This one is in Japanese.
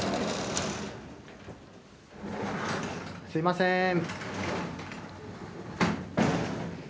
すみません